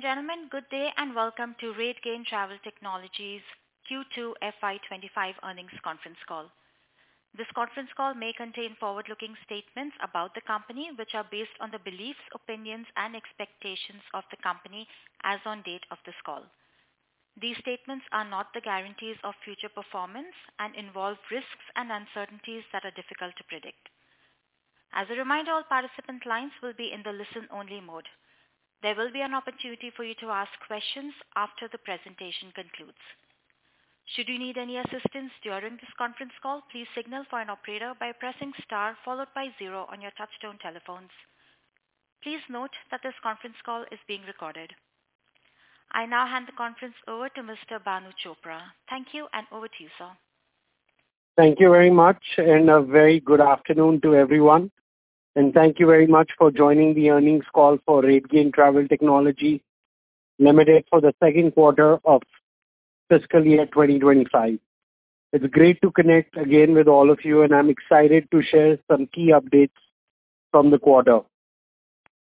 Gentlemen, good day and welcome to RateGain Travel Technologies Q2 FY25 earnings conference call. This conference call may contain forward-looking statements about the company, which are based on the beliefs, opinions, and expectations of the company as on date of this call. These statements are not the guarantees of future performance and involve risks and uncertainties that are difficult to predict. As a reminder, all participant lines will be in the listen-only mode. There will be an opportunity for you to ask questions after the presentation concludes. Should you need any assistance during this conference call, please signal for an operator by pressing star followed by zero on your touch-tone telephones. Please note that this conference call is being recorded. I now hand the conference over to Mr. Bhanu Chopra. Thank you, and over to you, sir. Thank you very much, and a very good afternoon to everyone, and thank you very much for joining the earnings call for RateGain Travel Technologies Limited for the second quarter of fiscal year 2025. It's great to connect again with all of you, and I'm excited to share some key updates from the quarter,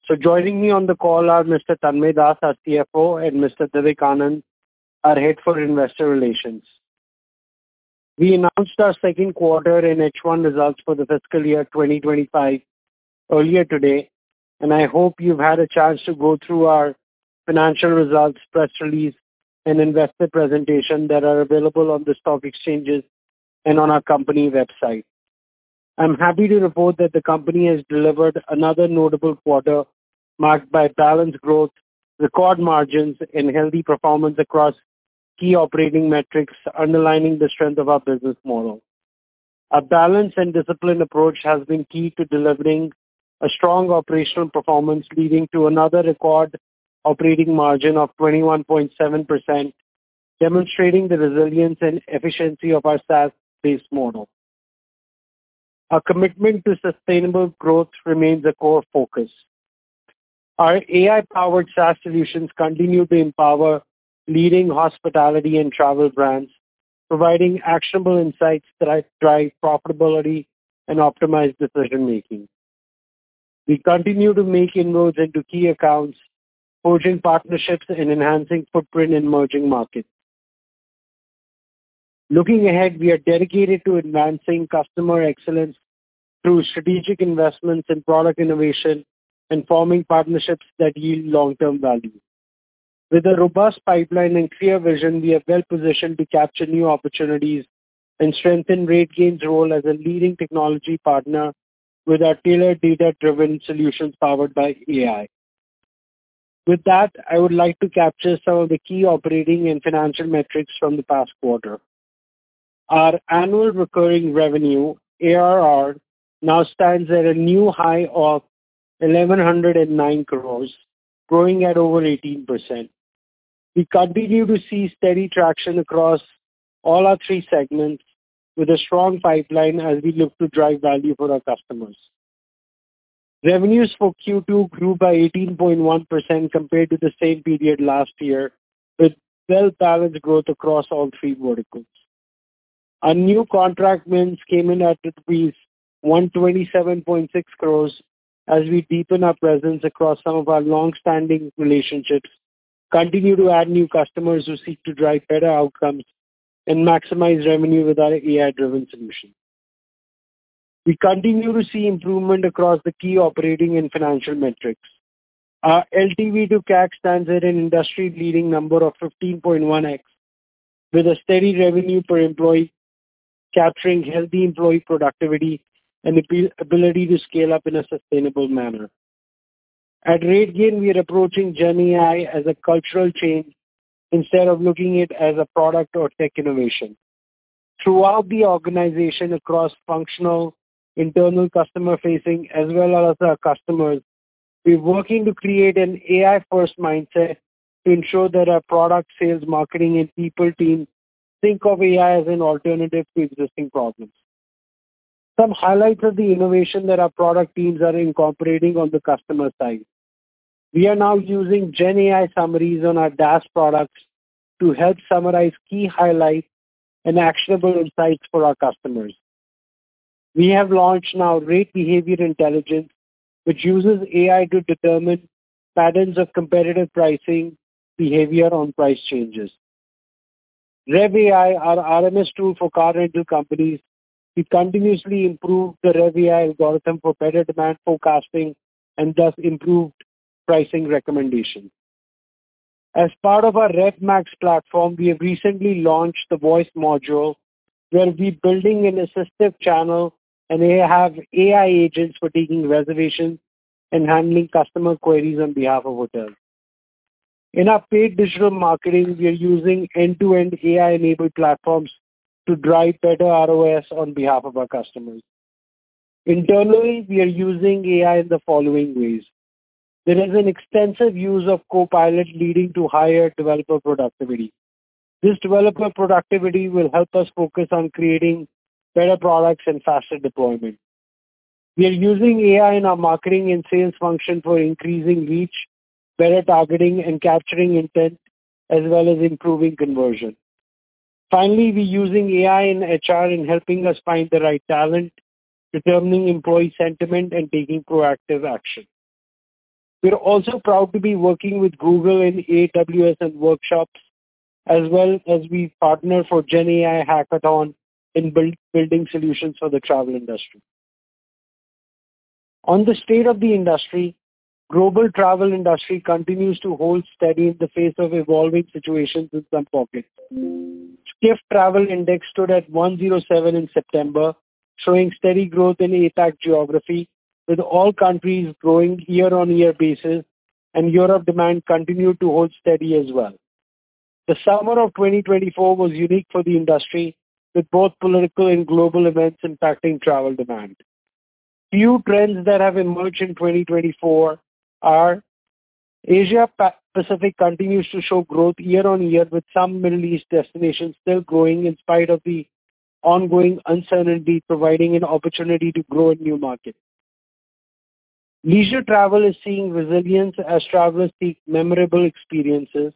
so joining me on the call are Mr. Tanmaya Das, our CFO, and Mr. Vivek Anand, our Head for Investor Relations. We announced our second quarter and H1 results for the fiscal year 2025 earlier today, and I hope you've had a chance to go through our financial results, press release, and investor presentation that are available on the stock exchanges and on our company website. I'm happy to report that the company has delivered another notable quarter marked by balanced growth, record margins, and healthy performance across key operating metrics, underlining the strength of our business model. A balanced and disciplined approach has been key to delivering a strong operational performance, leading to another record operating margin of 21.7%, demonstrating the resilience and efficiency of our SaaS-based model. Our commitment to sustainable growth remains a core focus. Our AI-powered SaaS solutions continue to empower leading hospitality and travel brands, providing actionable insights that drive profitability and optimize decision-making. We continue to make inroads into key accounts, forging partnerships, and enhancing footprint in emerging markets. Looking ahead, we are dedicated to advancing customer excellence through strategic investments in product innovation and forming partnerships that yield long-term value. With a robust pipeline and clear vision, we are well-positioned to capture new opportunities and strengthen RateGain's role as a leading technology partner with our tailored data-driven solutions powered by AI. With that, I would like to capture some of the key operating and financial metrics from the past quarter. Our annual recurring revenue, ARR, now stands at a new high of 1,109 crores, growing at over 18%. We continue to see steady traction across all our three segments with a strong pipeline as we look to drive value for our customers. Revenues for Q2 grew by 18.1% compared to the same period last year, with well-balanced growth across all three verticals. Our new contract wins came in at least rupees 127.6 crores as we deepen our presence across some of our long-standing relationships, continue to add new customers who seek to drive better outcomes and maximize revenue with our AI-driven solutions. We continue to see improvement across the key operating and financial metrics. Our LTV to CAC stands at an industry-leading number of 15.1x, with a steady revenue per employee, capturing healthy employee productivity and the ability to scale up in a sustainable manner. At RateGain, we are approaching GenAI as a cultural change instead of looking at it as a product or tech innovation. Throughout the organization, across functional, internal, customer-facing, as well as our customers, we are working to create an AI-first mindset to ensure that our product sales, marketing, and people team think of AI as an alternative to existing problems. Some highlights of the innovation that our product teams are incorporating on the customer side. We are now using GenAI summaries on our DaaS products to help summarize key highlights and actionable insights for our customers. We have launched now Rate Behavior Intelligence, which uses AI to determine patterns of competitive pricing behavior on price changes. RevAI, our RMS tool for car rental companies, continuously improves the RevAI algorithm for better demand forecasting and thus improved pricing recommendations. As part of our RevMax platform, we have recently launched the voice module, where we are building an assistive channel and have AI agents for taking reservations and handling customer queries on behalf of hotels. In our paid digital marketing, we are using end-to-end AI-enabled platforms to drive better ROAS on behalf of our customers. Internally, we are using AI in the following ways. There is an extensive use of Copilot, leading to higher developer productivity. This developer productivity will help us focus on creating better products and faster deployment. We are using AI in our marketing and sales function for increasing reach, better targeting, and capturing intent, as well as improving conversion. Finally, we are using AI in HR in helping us find the right talent, determining employee sentiment, and taking proactive action. We are also proud to be working with Google and AWS and workshops, as well as we partner for GenAI Hackathon in building solutions for the travel industry. On the state of the industry, the global travel industry continues to hold steady in the face of evolving situations in some pockets. Skift Travel Index stood at 107 in September, showing steady growth in APAC geography, with all countries growing year-on-year basis, and Europe demand continued to hold steady as well. The summer of 2024 was unique for the industry, with both political and global events impacting travel demand. Few trends that have emerged in 2024 are Asia-Pacific continues to show growth year-on-year, with some Middle East destinations still growing in spite of the ongoing uncertainty, providing an opportunity to grow a new market. Leisure travel is seeing resilience as travelers seek memorable experiences.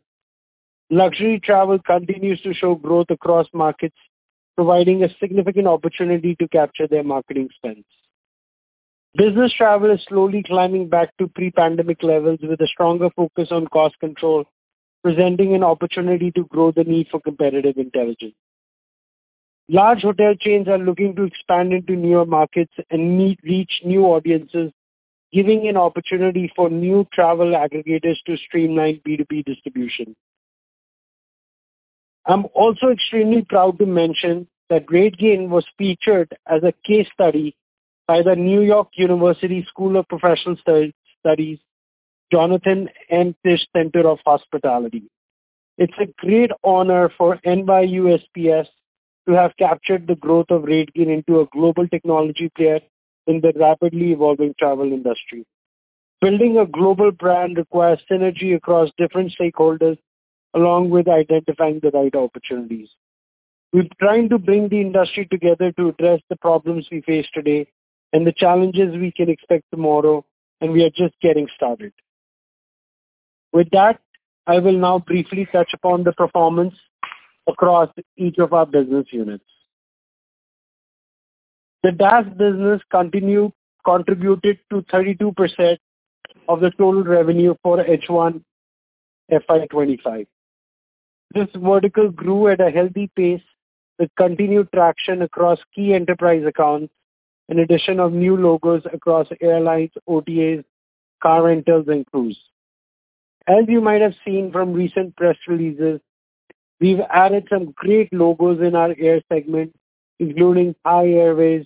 Luxury travel continues to show growth across markets, providing a significant opportunity to capture their marketing spends. Business travel is slowly climbing back to pre-pandemic levels, with a stronger focus on cost control, presenting an opportunity to grow the need for competitive intelligence. Large hotel chains are looking to expand into newer markets and reach new audiences, giving an opportunity for new travel aggregators to streamline B2B distribution. I'm also extremely proud to mention that RateGain was featured as a case study by the New York University School of Professional Studies, Jonathan M. Tisch Center of Hospitality. It's a great honor for NYU SPS to have captured the growth of RateGain into a global technology player in the rapidly evolving travel industry. Building a global brand requires synergy across different stakeholders, along with identifying the right opportunities. We're trying to bring the industry together to address the problems we face today and the challenges we can expect tomorrow, and we are just getting started. With that, I will now briefly touch upon the performance across each of our business units. The DaaS business continued to contribute to 32% of the total revenue for H1 FY25. This vertical grew at a healthy pace with continued traction across key enterprise accounts, in addition to new logos across airlines, OTAs, car rentals, and cruise. As you might have seen from recent press releases, we've added some great logos in our air segment, including Thai Airways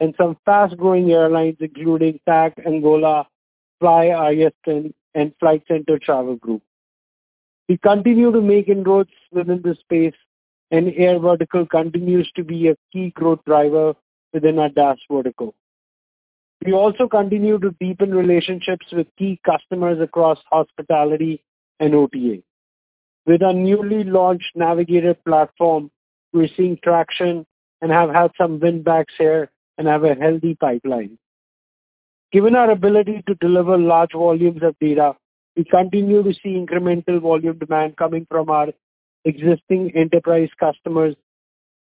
and some fast-growing airlines, including TAAG Angola Airlines, FlyArystan, and Flight Centre Travel Group. We continue to make inroads within the space, and air vertical continues to be a key growth driver within our DaaS vertical. We also continue to deepen relationships with key customers across hospitality and OTA. With our newly launched Navigator platform, we're seeing traction and have had some win-backs here and have a healthy pipeline. Given our ability to deliver large volumes of data, we continue to see incremental volume demand coming from our existing enterprise customers,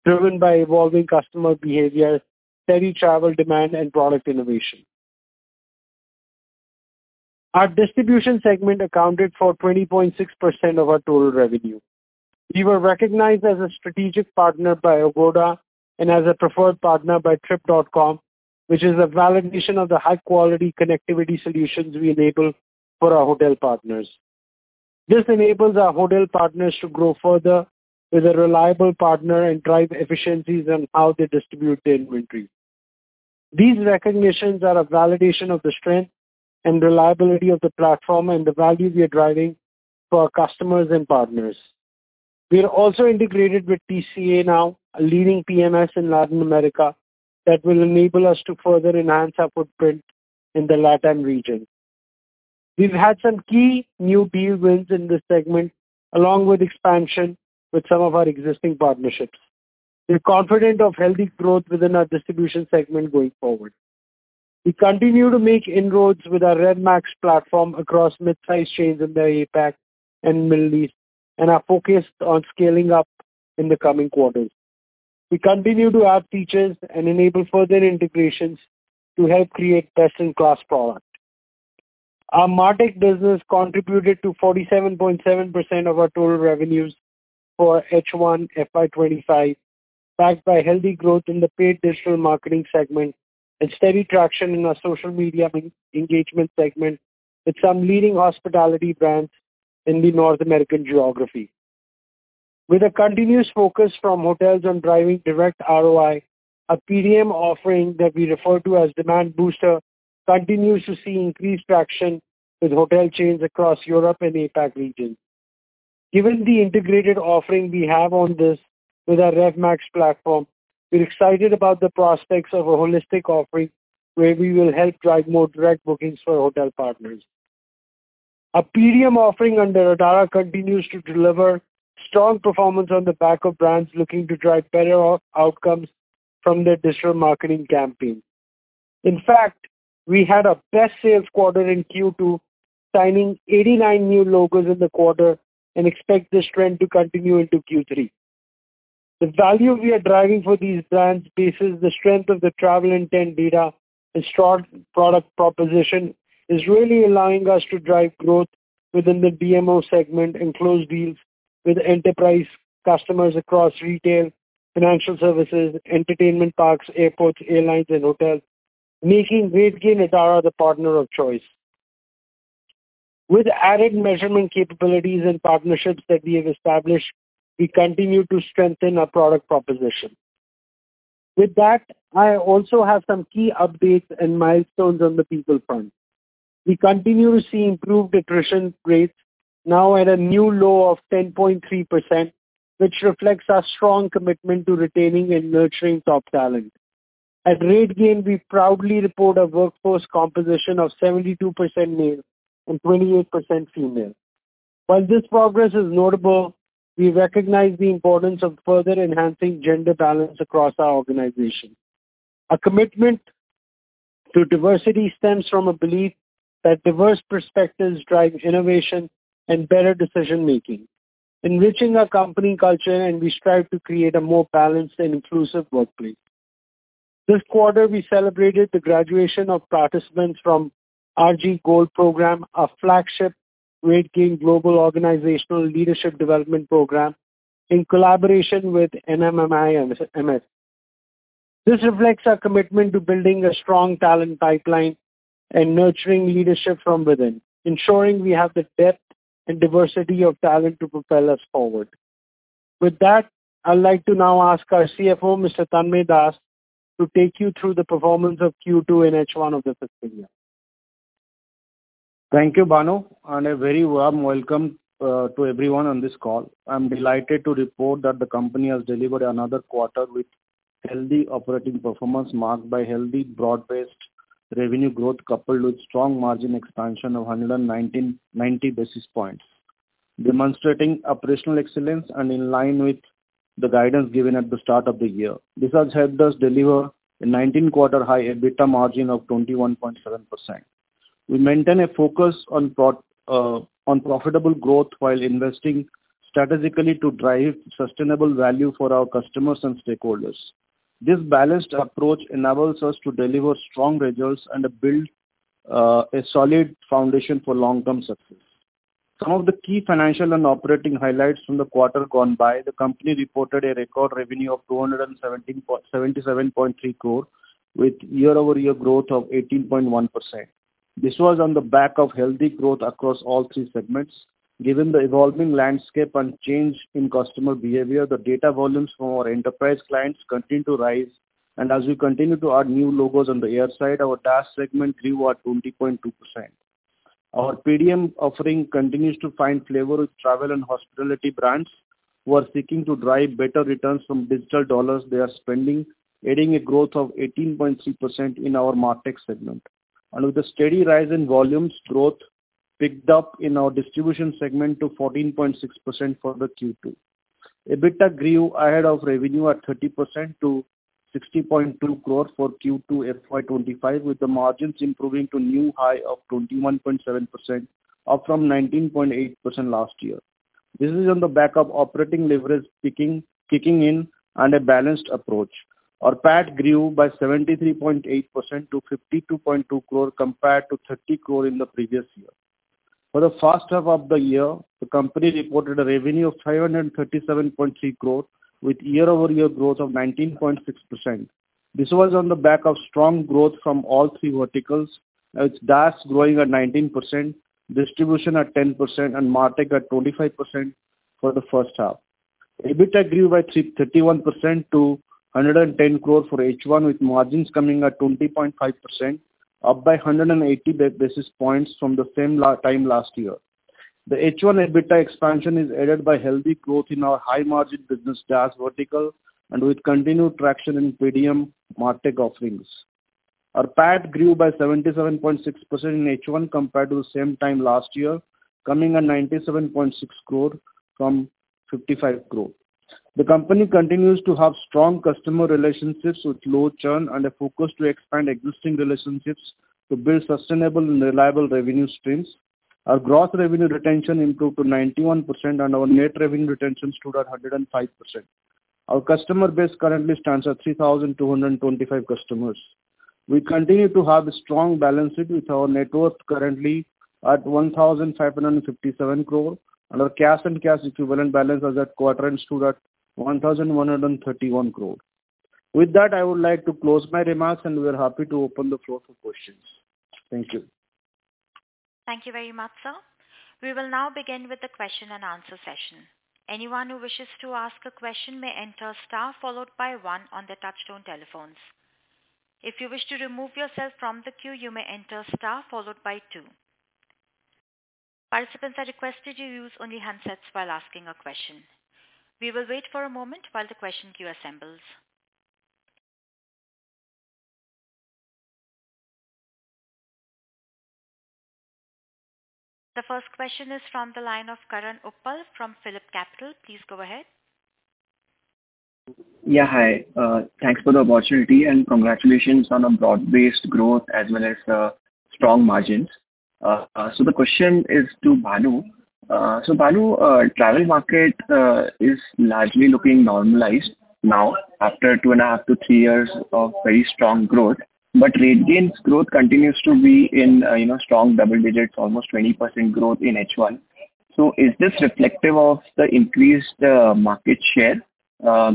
driven by evolving customer behavior, steady travel demand, and product innovation. Our distribution segment accounted for 20.6% of our total revenue. We were recognized as a strategic partner by Agoda and as a preferred partner by Trip.com, which is a validation of the high-quality connectivity solutions we enable for our hotel partners. This enables our hotel partners to grow further with a reliable partner and drive efficiencies in how they distribute their inventory. These recognitions are a validation of the strength and reliability of the platform and the value we are driving for our customers and partners. We are also integrated with TCA now, a leading PMS in Latin America, that will enable us to further enhance our footprint in LATAM region. We've had some key new deal wins in this segment, along with expansion with some of our existing partnerships. We're confident of healthy growth within our distribution segment going forward. We continue to make inroads with our RevMax platform across mid-size chains in the APAC and Middle East, and are focused on scaling up in the coming quarters. We continue to add features and enable further integrations to help create best-in-class products. Our MarTech business contributed to 47.7% of our total revenues for H1 FY25, backed by healthy growth in the paid digital marketing segment and steady traction in our social media engagement segment with some leading hospitality brands in the North American geography. With a continuous focus from hotels on driving direct ROI, a PDM offering that we refer to as Demand Booster continues to see increased traction with hotel chains across Europe and APAC regions. Given the integrated offering we have on this with our RevMax platform, we're excited about the prospects of a holistic offering where we will help drive more direct bookings for hotel partners. A PDM offering under Adara continues to deliver strong performance on the back of brands looking to drive better outcomes from their digital marketing campaign. In fact, we had a best-sales quarter in Q2, signing 89 new logos in the quarter, and expect this trend to continue into Q3. The value we are driving for these brands based on the strength of the travel intent data and strong product proposition is really allowing us to drive growth within the DMO segment and close deals with enterprise customers across retail, financial services, entertainment parks, airports, airlines, and hotels, making RateGain Adara the partner of choice. With added measurement capabilities and partnerships that we have established, we continue to strengthen our product proposition. With that, I also have some key updates and milestones on the people front. We continue to see improved attrition rates, now at a new low of 10.3%, which reflects our strong commitment to retaining and nurturing top talent. At RateGain, we proudly report a workforce composition of 72% male and 28% female. While this progress is notable, we recognize the importance of further enhancing gender balance across our organization. Our commitment to diversity stems from a belief that diverse perspectives drive innovation and better decision-making, enriching our company culture, and we strive to create a more balanced and inclusive workplace. This quarter, we celebrated the graduation of participants from RG GOLD program, a flagship RateGain global organizational leadership development program in collaboration with NMIMS. This reflects our commitment to building a strong talent pipeline and nurturing leadership from within, ensuring we have the depth and diversity of talent to propel us forward. With that, I'd like to now ask our CFO, Mr. Tanmaya Das, to take you through the performance of Q2 and H1 of the fiscal year. Thank you, Bhanu, and a very warm welcome to everyone on this call. I'm delighted to report that the company has delivered another quarter with healthy operating performance marked by healthy broad-based revenue growth coupled with strong margin expansion of 190 basis points, demonstrating operational excellence and in line with the guidance given at the start of the year. This has helped us deliver a 19-quarter high EBITDA margin of 21.7%. We maintain a focus on profitable growth while investing strategically to drive sustainable value for our customers and stakeholders. This balanced approach enables us to deliver strong results and build a solid foundation for long-term success. Some of the key financial and operating highlights from the quarter gone by: the company reported a record revenue of 277.3 crore, with year-over-year growth of 18.1%. This was on the back of healthy growth across all three segments. Given the evolving landscape and change in customer behavior, the data volumes from our enterprise clients continue to rise, and as we continue to add new logos on the airside, our DaaS segment grew at 20.2%. Our PDM offering continues to find flavor with travel and hospitality brands, who are seeking to drive better returns from digital dollars they are spending, adding a growth of 18.3% in our MarTech segment, and with the steady rise in volumes, growth picked up in our distribution segment to 14.6% for Q2. EBITDA grew ahead of revenue at 30% to 60.2 crore for Q2 FY25, with the margins improving to a new high of 21.7%, up from 19.8% last year. This is on the back of operating leverage kicking in and a balanced approach. Our PAT grew by 73.8% to 52.2 crore, compared to 30 crore in the previous year. For the first half of the year, the company reported a revenue of 537.3 crore, with year-over-year growth of 19.6%. This was on the back of strong growth from all three verticals, with DaaS growing at 19%, distribution at 10%, and MarTech at 25% for the first half. EBITDA grew by 31% to 110 crore for H1, with margins coming at 20.5%, up by 180 basis points from the same time last year. The H1 EBITDA expansion is aided by healthy growth in our high-margin business DaaS vertical, and with continued traction in PDM MarTech offerings. Our PAT grew by 77.6% in H1, compared to the same time last year, coming at 97.6 crore from 55 crore. The company continues to have strong customer relationships with low churn and a focus to expand existing relationships to build sustainable and reliable revenue streams. Our gross revenue retention improved to 91%, and our net revenue retention stood at 105%. Our customer base currently stands at 3,225 customers. We continue to have a strong balance sheet with our net worth currently at 1,557 crore, and our cash and cash equivalent balance as of quarter-end stood at 1,131 crore. With that, I would like to close my remarks, and we are happy to open the floor for questions. Thank you. Thank you very much, sir. We will now begin with the question and answer session. Anyone who wishes to ask a question may enter star followed by one, on the touch-tone telephones. If you wish to remove yourself from the queue, you may enter star followed by two. Participants are requested to use only handsets while asking a question. We will wait for a moment while the question queue assembles. The first question is from the line of Karan Uppal from PhillipCapital. Please go ahead. Yeah, hi. Thanks for the opportunity, and congratulations on a broad-based growth as well as strong margins. So the question is to Bhanu. So Bhanu, travel market is largely looking normalized now after two and a half to three years of very strong growth, but RateGain's growth continues to be in strong double digits, almost 20% growth in H1. So is this reflective of the increased market share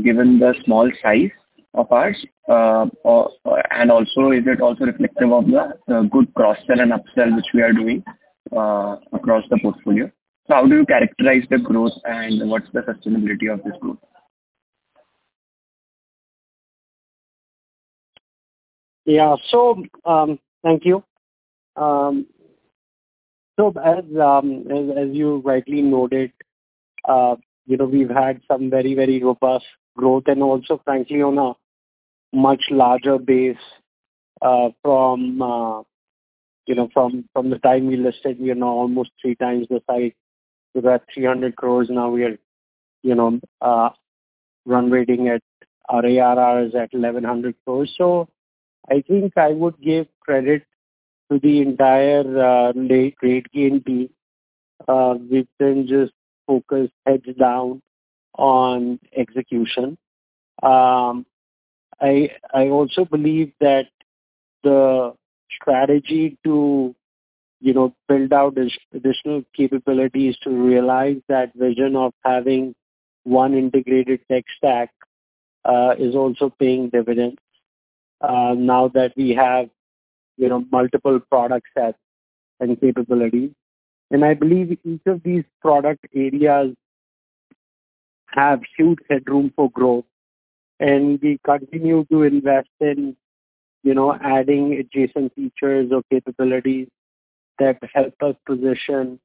given the small size of ours? And also, is it also reflective of the good cross-sell and upsell which we are doing across the portfolio? So how do you characterize the growth, and what's the sustainability of this growth? Yeah, so thank you. So as you rightly noted, we've had some very, very robust growth, and also, frankly, on a much larger base from the time we listed, almost three times the size. We were at 300 crores. Now we are run-rating at; our ARR is at 1,100 crores. So I think I would give credit to the entire RateGain team. We've been just focused head down on execution. I also believe that the strategy to build out additional capabilities to realize that vision of having one integrated tech stack is also paying dividends now that we have multiple product sets and capabilities. I believe each of these product areas have huge headroom for growth, and we continue to invest in adding adjacent features or capabilities that help us position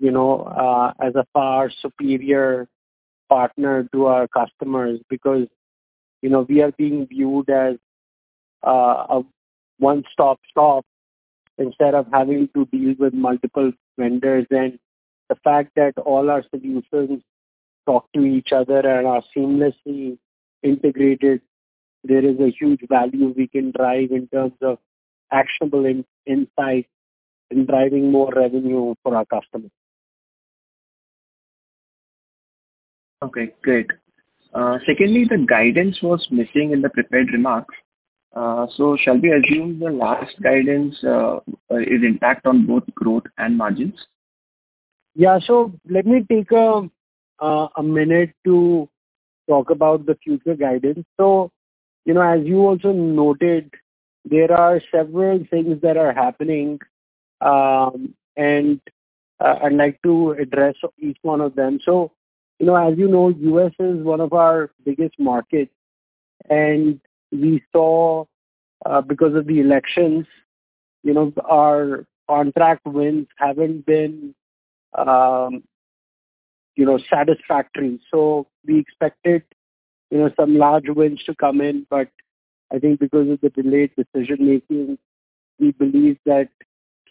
as a far superior partner to our customers because we are being viewed as a one-stop shop instead of having to deal with multiple vendors. And the fact that all our solutions talk to each other and are seamlessly integrated, there is a huge value we can drive in terms of actionable insights in driving more revenue for our customers. Okay, great. Secondly, the guidance was missing in the prepared remarks. So shall we assume the last guidance is impact on both growth and margins? Yeah, so let me take a minute to talk about the future guidance. So as you also noted, there are several things that are happening, and I'd like to address each one of them. So as you know, the U.S. is one of our biggest markets, and we saw, because of the elections, our contract wins haven't been satisfactory. So we expected some large wins to come in, but I think because of the delayed decision-making, we believe that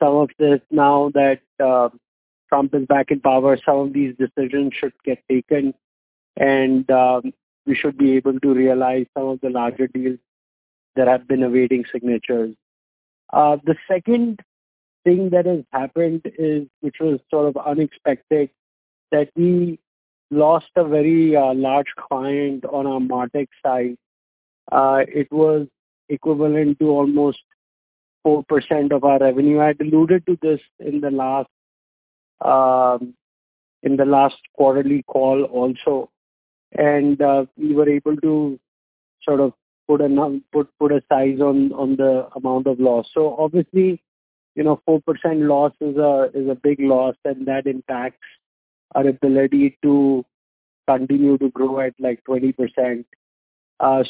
some of this, now that Trump is back in power, some of these decisions should get taken, and we should be able to realize some of the larger deals that have been awaiting signatures. The second thing that has happened, which was sort of unexpected, is that we lost a very large client on our MarTech side. It was equivalent to almost 4% of our revenue. I alluded to this in the last quarterly call also, and we were able to sort of put a size on the amount of loss. So obviously, 4% loss is a big loss, and that impacts our ability to continue to grow at like 20%.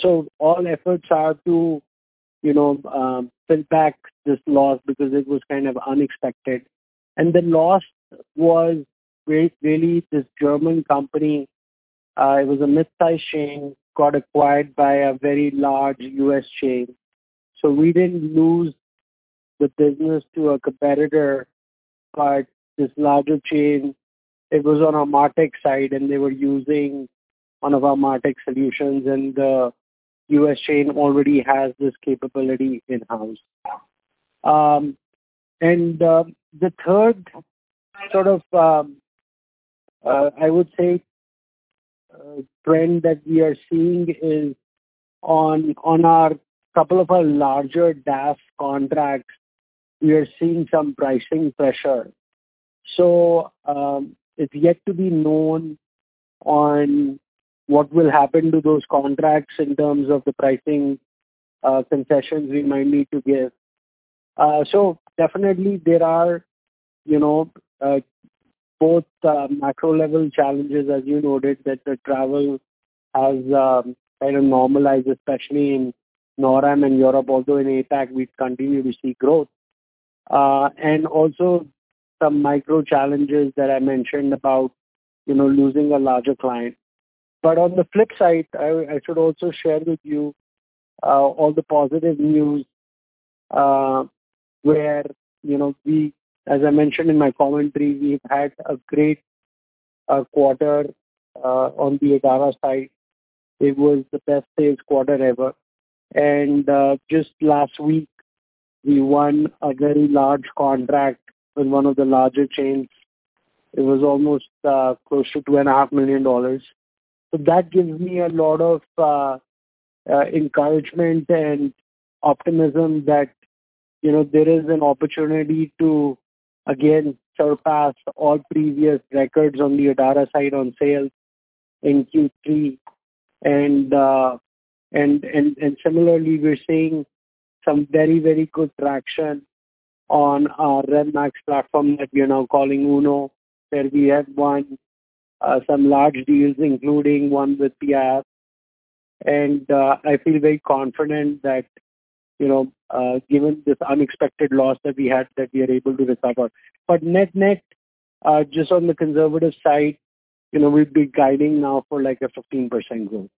So all efforts are to fill back this loss because it was kind of unexpected. And the loss was really this German company. It was a mid-size chain, got acquired by a very large U.S. chain. So we didn't lose the business to a competitor, but this larger chain, it was on our MarTech side, and they were using one of our MarTech solutions, and the U.S. chain already has this capability in-house. And the third sort of, I would say, trend that we are seeing is on a couple of our larger DaaS contracts, we are seeing some pricing pressure. So it's yet to be known what will happen to those contracts in terms of the pricing concessions we might need to give. So definitely, there are both macro-level challenges, as you noted, that the travel has kind of normalized, especially in NORAM and Europe, although in APAC, we continue to see growth. And also some micro challenges that I mentioned about losing a larger client. But on the flip side, I should also share with you all the positive news where we, as I mentioned in my commentary, we've had a great quarter on the Adara side. It was the best-sales quarter ever. And just last week, we won a very large contract with one of the larger chains. It was almost close to $2.5 million. So that gives me a lot of encouragement and optimism that there is an opportunity to, again, surpass all previous records on the Adara side on sales in Q3. And similarly, we're seeing some very, very good traction on our RevMax platform that we are now calling UNO, where we have won some large deals, including one with PIF. I feel very confident that given this unexpected loss that we had, that we are able to recover. But net-net, just on the conservative side, we've been guiding now for like a 15% growth.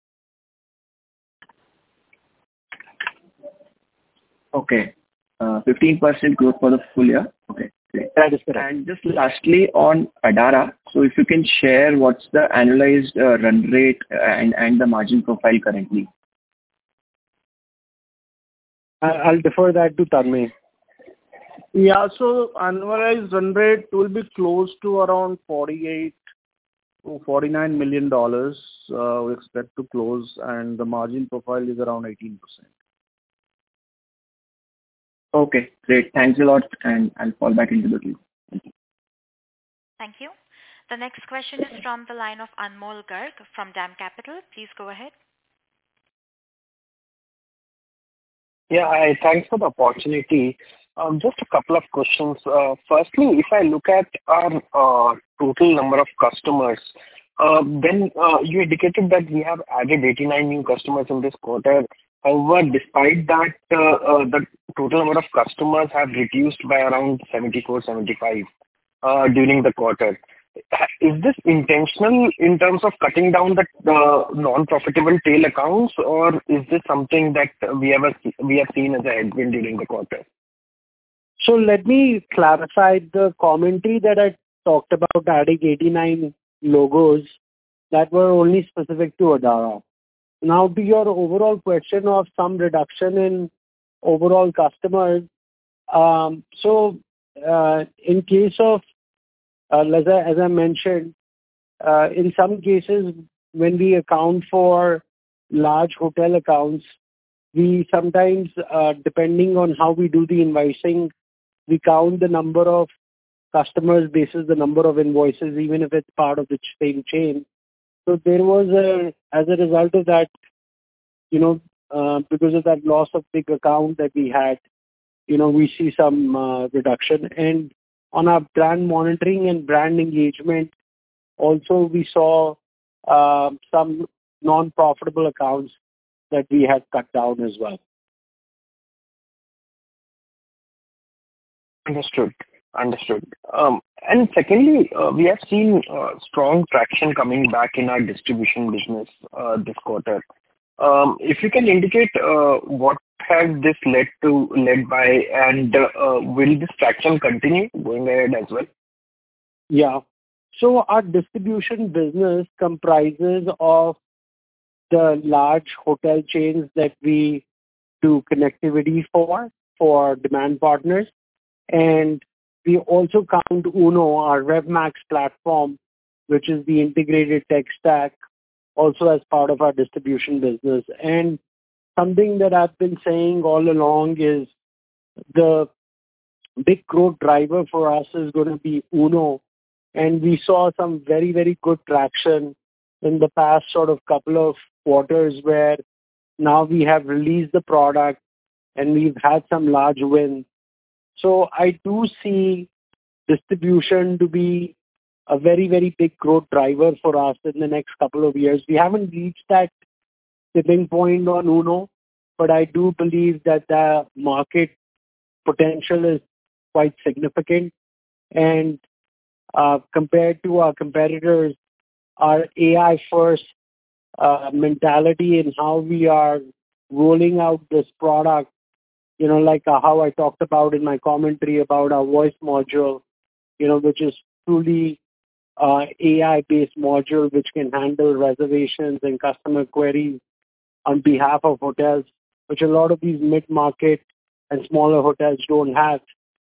Okay. 15% growth for the full year? Okay. Great. That is correct. And just lastly on Adara, so if you can share what's the annualized run rate and the margin profile currently? I'll defer that to Tanmaya. Yeah, so annualized run rate will be close to around $48-$49 million. We expect to close, and the margin profile is around 18%. Okay. Great. Thanks a lot, and I'll fall back into the queue. Thank you. Thank you. The next question is from the line of Anmol Garg from DAM Capital. Please go ahead. Yeah, thanks for the opportunity. Just a couple of questions. Firstly, if I look at our total number of customers, then you indicated that we have added 89 new customers in this quarter. However, despite that, the total number of customers have reduced by around 74/75 during the quarter. Is this intentional in terms of cutting down the non-profitable tail accounts, or is this something that we have seen as a headwind during the quarter? So let me clarify the commentary that I talked about adding 89 logos that were only specific to Adara. Now, to your overall question of some reduction in overall customers, so in case of, as I mentioned, in some cases, when we account for large hotel accounts, we sometimes, depending on how we do the invoicing, we count the number of customers versus the number of invoices, even if it's part of the same chain. So there was, as a result of that, because of that loss of big account that we had, we see some reduction. And on our brand monitoring and brand engagement, also, we saw some non-profitable accounts that we had cut down as well. Understood. Understood. And secondly, we have seen strong traction coming back in our distribution business this quarter. If you can indicate what has this led to, led by, and will this traction continue going ahead as well? Yeah. So our distribution business comprises of the large hotel chains that we do connectivity for, for our demand partners. And we also count UNO, our RevMax platform, which is the integrated tech stack, also as part of our distribution business. And something that I've been saying all along is the big growth driver for us is going to be UNO, and we saw some very, very good traction in the past sort of couple of quarters where now we have released the product, and we've had some large wins. So I do see distribution to be a very, very big growth driver for us in the next couple of years. We haven't reached that tipping point on UNO, but I do believe that the market potential is quite significant. And compared to our competitors, our AI-first mentality and how we are rolling out this product, like how I talked about in my commentary about our voice module, which is truly an AI-based module that can handle reservations and customer queries on behalf of hotels, which a lot of these mid-market and smaller hotels don't have,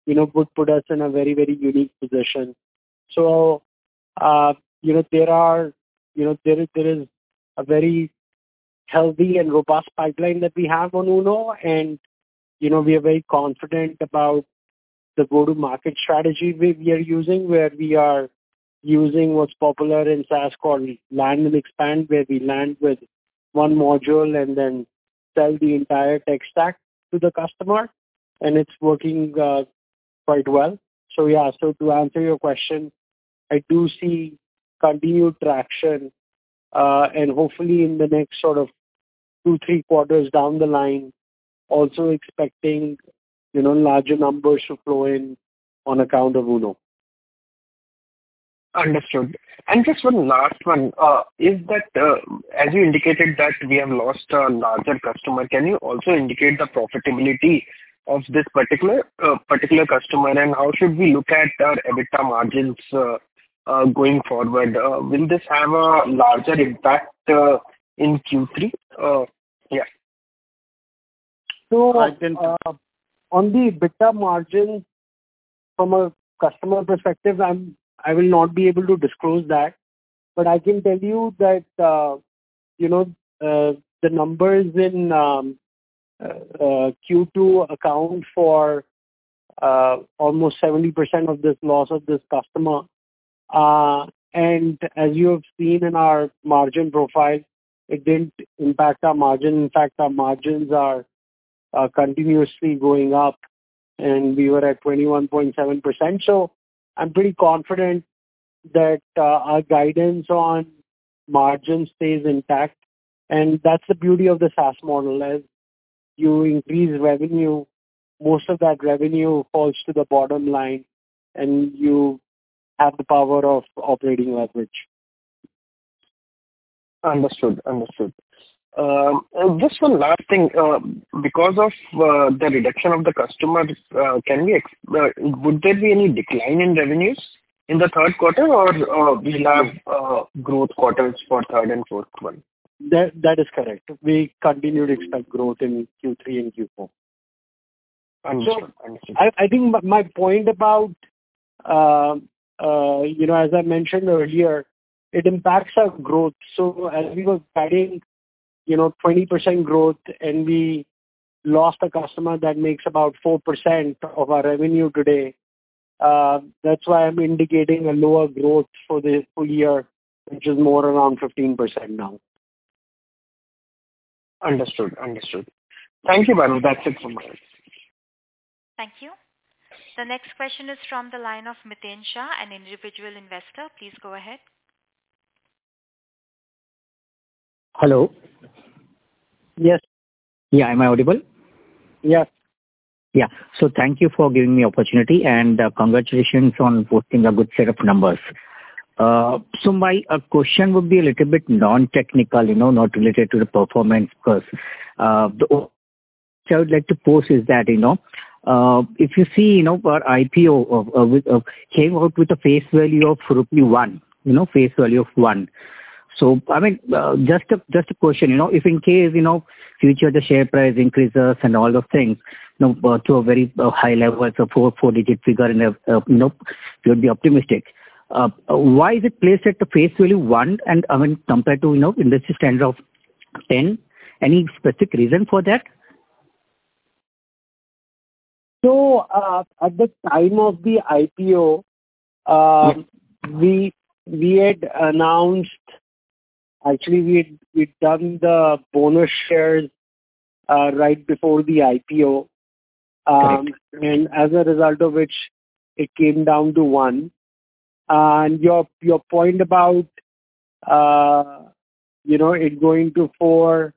would put us in a very, very unique position. So there is a very healthy and robust pipeline that we have on UNO, and we are very confident about the go-to-market strategy we are using, where we are using what's popular in SaaS called Land and Expand, where we land with one module and then sell the entire tech stack to the customer, and it's working quite well. So yeah, so to answer your question, I do see continued traction, and hopefully in the next sort of two, three quarters down the line, also expecting larger numbers to flow in on account of UNO. Understood. And just one last one. As you indicated that we have lost a larger customer, can you also indicate the profitability of this particular customer, and how should we look at our EBITDA margins going forward? Will this have a larger impact in Q3? Yeah. So on the EBITDA margin, from a customer perspective, I will not be able to disclose that, but I can tell you that the numbers in Q2 account for almost 70% of this loss of this customer. And as you have seen in our margin profile, it didn't impact our margin. In fact, our margins are continuously going up, and we were at 21.7%. So I'm pretty confident that our guidance on margin stays intact. And that's the beauty of the SaaS model, as you increase revenue, most of that revenue falls to the bottom line, and you have the power of operating leverage. Understood. Understood. Just one last thing. Because of the reduction of the customers, would there be any decline in revenues in the third quarter, or will we have growth quarters for third fourth one? That is correct. We continue to expect growth in Q3 and Q4. Understood. Understood. I think my point about, as I mentioned earlier, it impacts our growth. So as we were guiding 20% growth, and we lost a customer that makes about 4% of our revenue today, that's why I'm indicating a lower growth for the full year, which is more around 15% now. Understood. Understood. Thank you, Bhanu. That's it from my end. Thank you. The next question is from the line of Miten Shah, an individual investor. Please go ahead. Hello. Yes. Yeah. Am I audible? Yes. Yeah. So thank you for giving me the opportunity, and congratulations on posting a good set of numbers. So my question would be a little bit non-technical, not related to the performance because what I would like to post is that, you know, if you see, you know, our IPO came out with a face value of rupee 1, face value of 1. So I mean, just a question, you know, If in case ,you know, future the share price increases and all those things to a very high level, it's a 4-digit figure, and you'd be optimistic. Why is it placed at the face value 1 and compared to industry standard of 10? Any specific reason for that? So at the time of the IPO, we had announced actually, we'd done the bonus shares right before the IPO, and as a result of which, it came down to 1. And your point about it going to four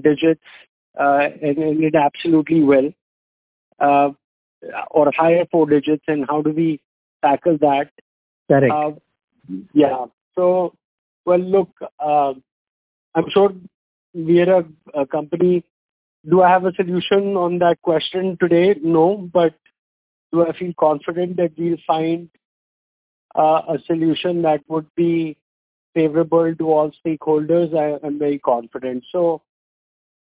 digits, and it absolutely will, or higher four digits, and how do we tackle that? Correct. Yeah. So well, look, I'm sure we are a company. Do I have a solution on that question today? No, but do I feel confident that we'll find a solution that would be favorable to all stakeholders? I'm very confident. So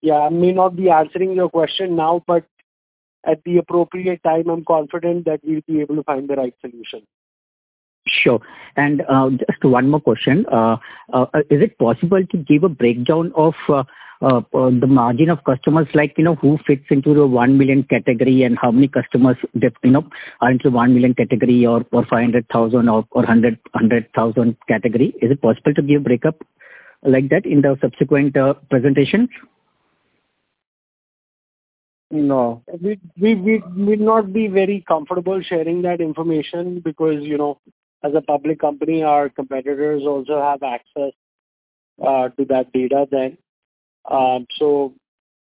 yeah, I may not be answering your question now, but at the appropriate time, I'm confident that we'll be able to find the right solution. Sure. And just one more question. Is it possible to give a breakdown of the margin of customers, like who fits into the 1 million category and how many customers are into 1 million category or 500,000 or 100,000 category? Is it possible to give a breakup like that in the subsequent presentation? No. We would not be very comfortable sharing that information because, as a public company, our competitors also have access to that data then. So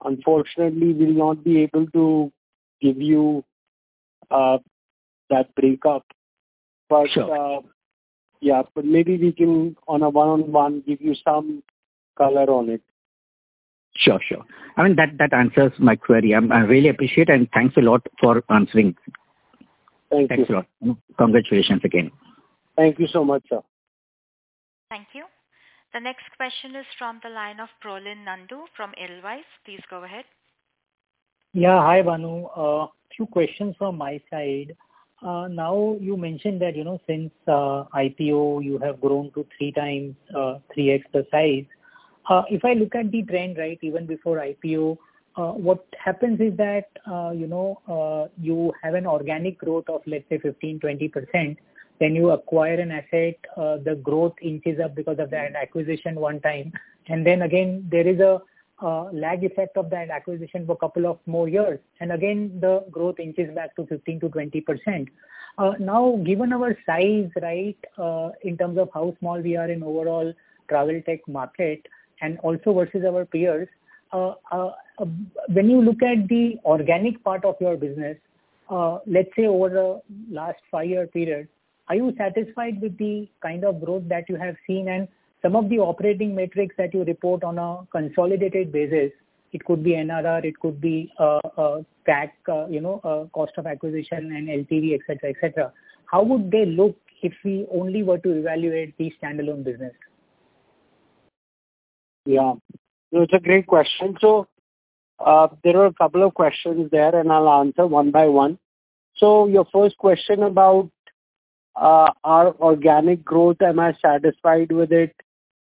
unfortunately, we'll not be able to give you that breakup. But yeah, maybe we can, on a one-on-one, give you some color on it. Sure. Sure. I mean, that answers my query. I really appreciate it, and thanks a lot for answering. Thank you. Thanks a lot. Congratulations again. Thank you so much, sir. Thank you. The next question is from the line of Prolin Nandu from Edelweiss. Please go ahead. Yeah. Hi, Bhanu. A few questions from my side. Now, you mentioned that since IPO, you have grown to three times, 3X the size. If I look at the trend, right, even before IPO, what happens is that you have an organic growth of, let's say, 15%-20%. Then you acquire an asset, the growth inches up because of that acquisition one time. And again, there is a lag effect of that acquisition for a couple of more years. And again, the growth inches back to 15%-20%. Now, given our size, right, in terms of how small we are in overall travel tech market and also versus our peers, when you look at the organic part of your business, let's say over the last five-year period, are you satisfied with the kind of growth that you have seen and some of the operating metrics that you report on a consolidated basis? It could be NRR, it could be CAC, cost of acquisition, and LTV, et cetera, et cetera. How would they look if we only were to evaluate the standalone business? Yeah. That's a great question. So there are a couple of questions there, and I'll answer one by one. So your first question about our organic growth, am I satisfied with it?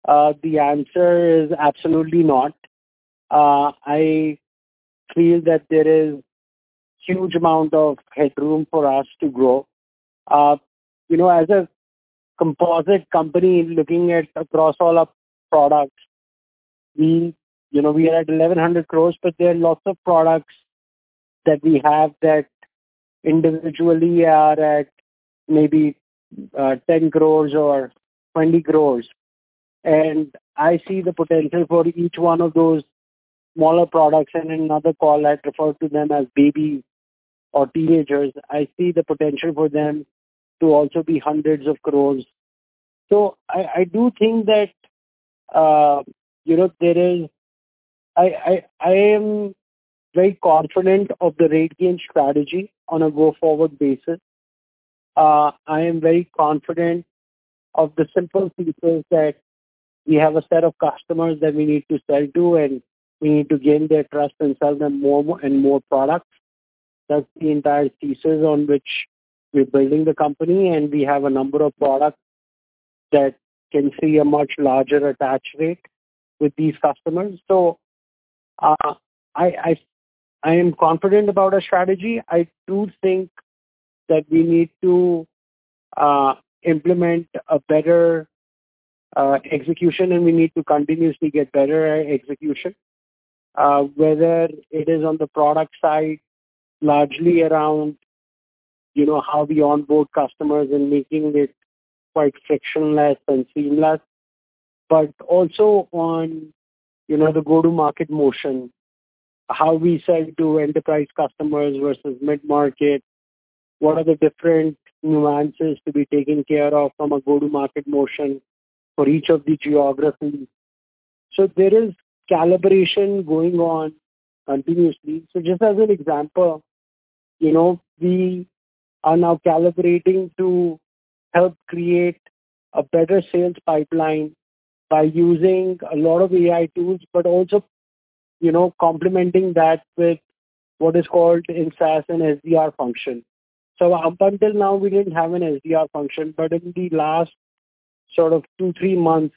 The answer is absolutely not. I feel that there is a huge amount of headroom for us to grow. As a composite company, looking at across all our products, we are at 1,100 crores, but there are lots of products that we have that individually are at maybe 10 crores or 20 crores. And I see the potential for each one of those smaller products and another call, I'd refer to them as babies or teenagers. I see the potential for them to also be hundreds of crores. So I do think that there is. I am very confident of the RateGain strategy on a go-forward basis. I am very confident of the simple pieces that we have a set of customers that we need to sell to, and we need to gain their trust and sell them more and more products. That's the entire thesis on which we're building the company, and we have a number of products that can see a much larger attach rate with these customers. So I am confident about our strategy. I do think that we need to implement a better execution, and we need to continuously get better execution, whether it is on the product side, largely around how we onboard customers and making it quite frictionless and seamless, but also on the go-to-market motion, how we sell to enterprise customers versus mid-market, what are the different nuances to be taken care of from a go-to-market motion for each of the geographies. So there is calibration going on continuously. So just as an example, we are now calibrating to help create a better sales pipeline by using a lot of AI tools, but also complementing that with what is called in SaaS an SDR function. So, up until now, we didn't have an SDR function, but in the last sort of two, three months,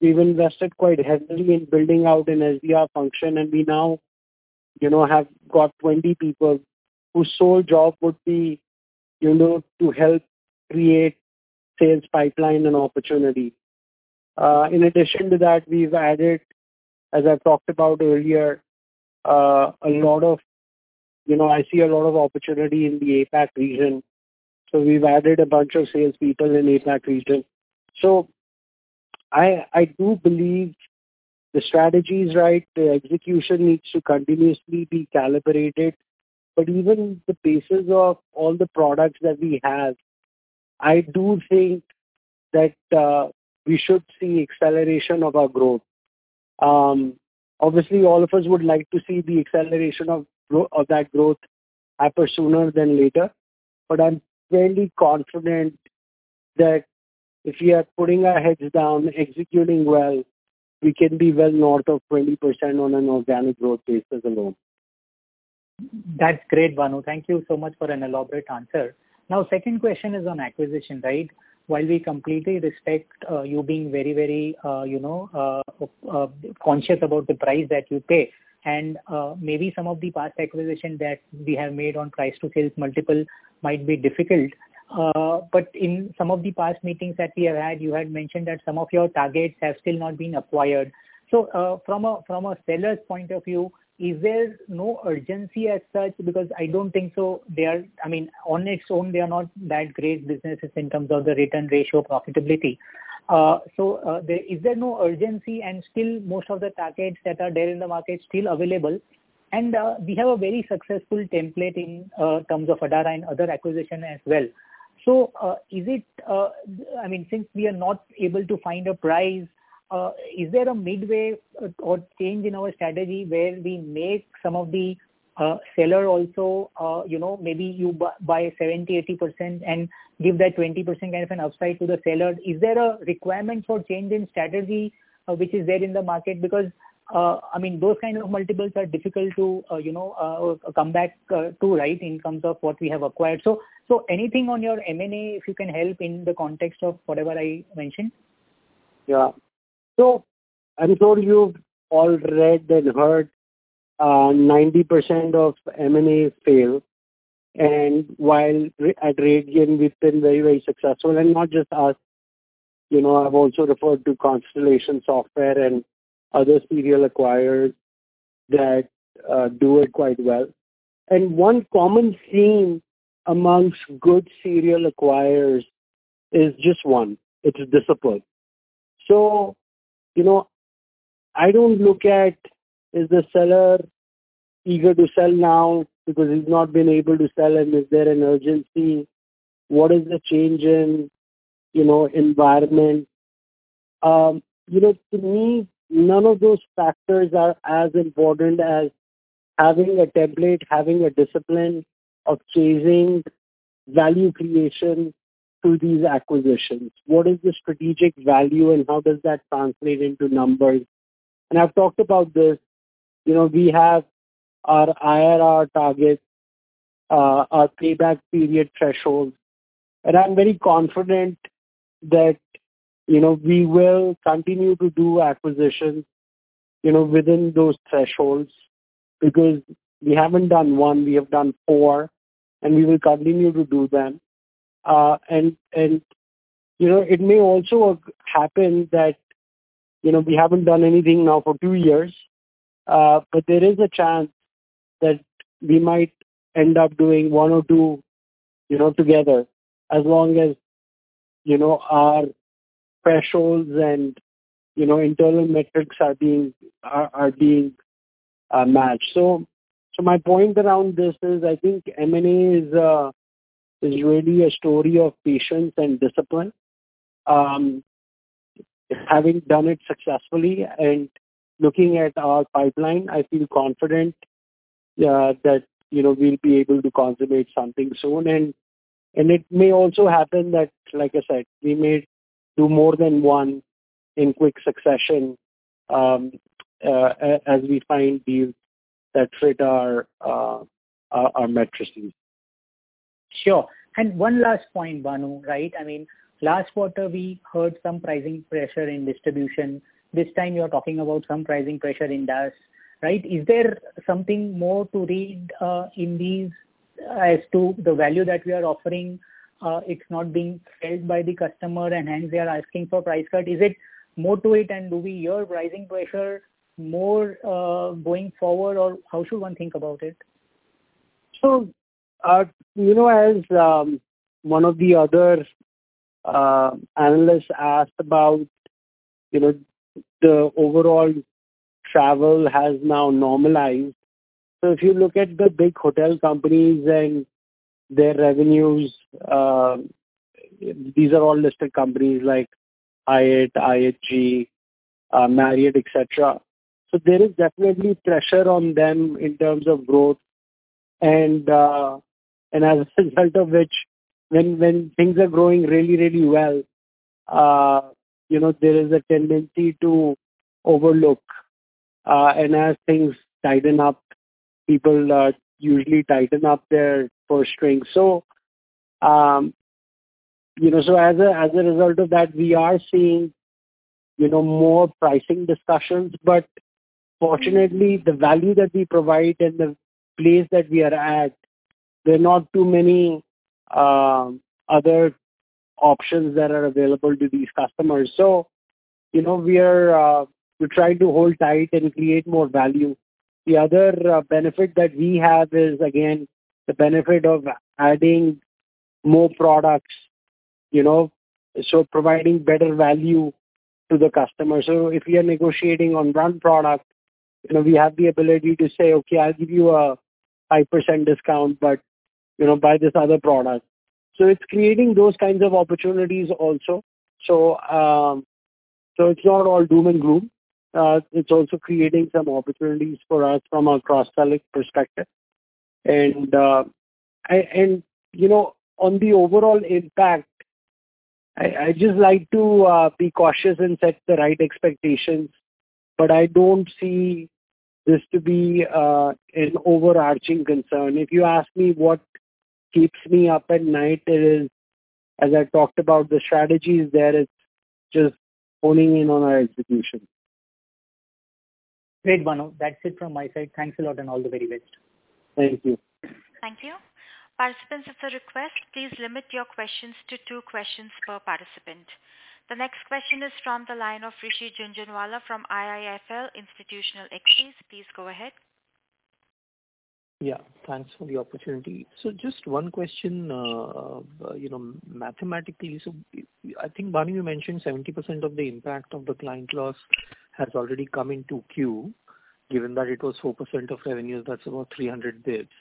we've invested quite heavily in building out an SDR function, and we now have got 20 people whose sole job would be to help create sales pipeline and opportunity. In addition to that, we've added, as I've talked about earlier, a lot. I see a lot of opportunity in the APAC region, so we've added a bunch of salespeople in the APAC region. I do believe the strategy is right. The execution needs to continuously be calibrated, but even the basis of all the products that we have, I do think that we should see acceleration of our growth. Obviously, all of us would like to see the acceleration of that growth happen sooner than later, but I'm really confident that if we are putting our heads down, executing well, we can be well north of 20% on an organic growth basis alone. That's great, Bhanu. Thank you so much for an elaborate answer. Now, second question is on acquisition, right? While we completely respect you being very, very conscious about the price that you pay, and maybe some of the past acquisitions that we have made on price-to-sales multiple might be difficult, but in some of the past meetings that we have had, you had mentioned that some of your targets have still not been acquired. So from a seller's point of view, is there no urgency as such? Because I don't think so. I mean, on its own, they are not that great businesses in terms of the return ratio profitability. So is there no urgency, and still most of the targets that are there in the market still available? And we have a very successful template in terms of Adara and other acquisitions as well. So is it, I mean, since we are not able to find a price, is there a midway or change in our strategy where we make some of the seller also maybe you buy 70%-80% and give that 20% kind of an upside to the seller? Is there a requirement for change in strategy which is there in the market? Because, I mean, those kind of multiples are difficult to come back to, right, in terms of what we have acquired. Anything on your M&A, if you can help in the context of whatever I mentioned? Yeah. I'm sure you've all read and heard 90% of M&As fail. While at RateGain, we've been very, very successful, and not just us. I've also referred to Constellation Software and other serial acquirers that do it quite well. One common theme amongst good serial acquirers is just one. It's discipline. I don't look at, is the seller eager to sell now because he's not been able to sell, and is there an urgency? What is the change in environment? To me, none of those factors are as important as having a template, having a discipline of chasing value creation through these acquisitions. What is the strategic value, and how does that translate into numbers? I've talked about this. We have our IRR target, our payback period threshold. I'm very confident that we will continue to do acquisitions within those thresholds because we haven't done one, we have done four, and we will continue to do them. It may also happen that we haven't done anything now for two years, but there is a chance that we might end up doing one or two together as long as our thresholds and internal metrics are being matched. My point around this is I think M&A is really a story of patience and discipline. Having done it successfully and looking at our pipeline, I feel confident that we'll be able to cultivate something soon. It may also happen that, like I said, we may do more than one in quick succession as we find deals that fit our metrics. Sure. One last point, Bhanu, right? I mean, last quarter, we heard some pricing pressure in distribution. This time, you're talking about some pricing pressure in DaaS, right? Is there something more to read in these as to the value that we are offering? It's not being held by the customer, and hence, they are asking for price cut. Is it more to it, and do we hear pricing pressure more going forward, or how should one think about it? So as one of the other analysts asked about, the overall travel has now normalized. So if you look at the big hotel companies and their revenues, these are all listed companies like Hyatt, IHG, Marriott, et cetera. So there is definitely pressure on them in terms of growth. And as a result of which, when things are growing really, really well, there is a tendency to overlook. As things tighten up, people usually tighten up their purse strings. As a result of that, we are seeing more pricing discussions, but fortunately, the value that we provide and the place that we are at, there are not too many other options that are available to these customers. We're trying to hold tight and create more value. The other benefit that we have is, again, the benefit of adding more products, so providing better value to the customer. If we are negotiating on one product, we have the ability to say, "Okay, I'll give you a 5% discount, but buy this other product." It's creating those kinds of opportunities also. It's not all doom and gloom. It's also creating some opportunities for us from a cross-selling perspective. On the overall impact, I just like to be cautious and set the right expectations, but I don't see this to be an overarching concern. If you ask me what keeps me up at night, it is, as I talked about, the strategy is there. It's just honing in on our execution. Great, Bhanu. That's it from my side. Thanks a lot, and all the very best. Thank you. Thank you. Participants, if the request, please limit your questions to two questions per participant. The next question is from the line of Rishi Jhunjhunwala from IIFL Institutional Equities. Please go ahead. Yeah. Thanks for the opportunity. So just one question mathematically. So I think, Bhanu, you mentioned 70% of the impact of the client loss has already come into Q, given that it was 4% of revenue. That's about 300 basis points.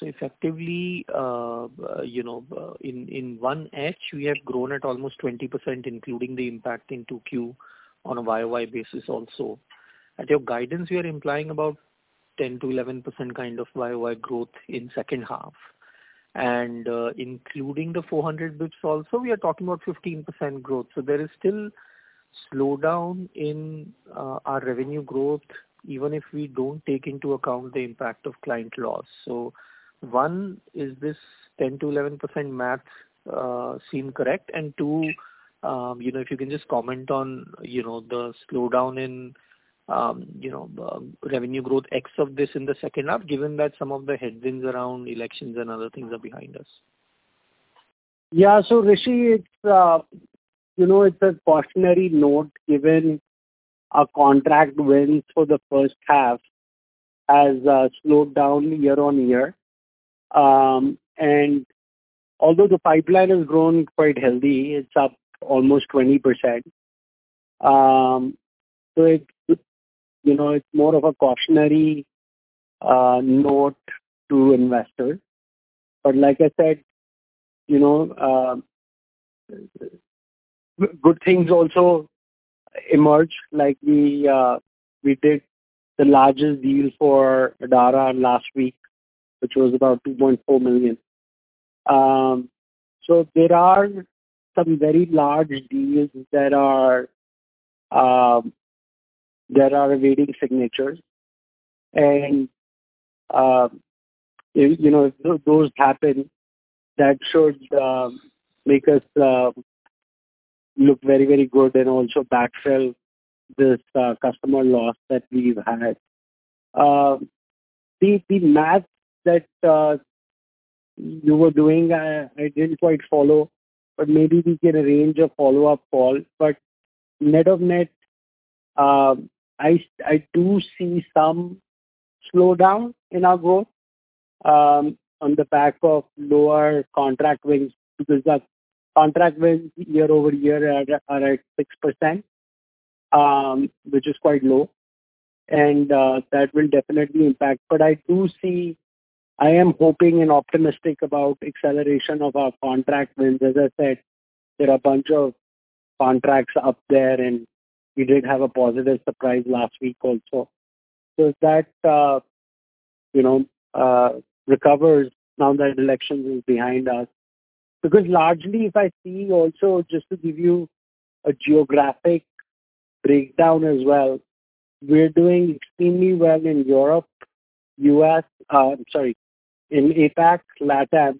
So effectively, in one year, we have grown at almost 20%, including the impact in 2Q on a YOY basis also. At your guidance, we are implying about 10-11% kind of YOY growth in second half. And including the 400 basis points also, we are talking about 15% growth. So there is still slowdown in our revenue growth, even if we don't take into account the impact of client loss. So one, is this 10-11% math seem correct? And two, if you can just comment on the slowdown in revenue growth ex this in the second half, given that some of the headwinds around elections and other things are behind us. Yeah. So Rishi, it's a cautionary note given our contract wins for the first half has slowed down year on year. And although the pipeline has grown quite healthy, it's up almost 20%. So it's more of a cautionary note to investors, but like I said, good things also emerge, like we did the largest deal for Adara last week, which was about $2.4 million. So there are some very large deals that are awaiting signatures, and if those happen, that should make us look very, very good and also backfill this customer loss that we've had. The math that you were doing, I didn't quite follow, but maybe we can arrange a follow-up call. But net of net, I do see some slowdown in our growth on the back of lower contract wins because contract wins year over year are at 6%, which is quite low, and that will definitely impact. But I do see I am hoping and optimistic about acceleration of our contract wins. As I said, there are a bunch of contracts up there, and we did have a positive surprise last week also. So if that recovers now that elections are behind us, because largely, if I see also just to give you a geographic breakdown as well, we're doing extremely well in Europe, U.S., sorry, in APAC, LATAM.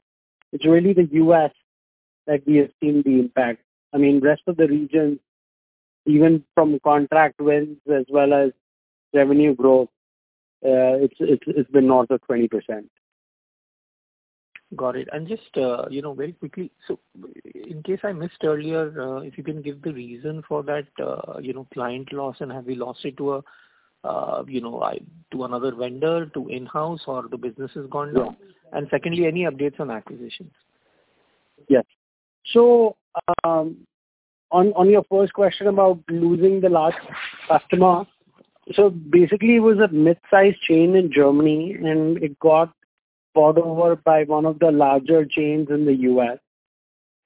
It's really the U.S. that we have seen the impact. I mean, the rest of the regions, even from contract wins as well as revenue growth, it's been north of 20%. Got it. And just very quickly, so in case I missed earlier, if you can give the reason for that client loss and have we lost it to another vendor, to in-house, or the business has gone down? And secondly, any updates on acquisitions? Yes. So, on your first question about losing the last customer, so basically, it was a mid-size chain in Germany, and it got bought over by one of the larger chains in the U.S..